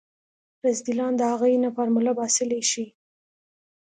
رذيلان د اغې نه فارموله باسلی شي.